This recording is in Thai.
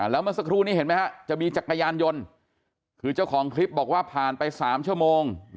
แล้วเมื่อสักครู่นี้เห็นไหมฮะจะมีจักรยานยนต์คือเจ้าของคลิปบอกว่าผ่านไป๓ชั่วโมง